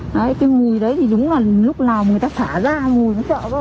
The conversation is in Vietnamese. đấy cái mùi đấy thì đúng là lúc nào người ta xá ra mùi nó sợ cơ